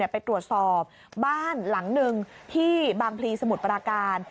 ไปตรวจสอบบ้านหลังหนึ่งที่บางพลีสมุทรปราการ